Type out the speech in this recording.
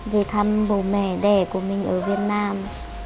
về thăm bố mẹ đẻ của mình ở việt nam